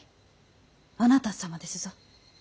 あなた様ですぞ。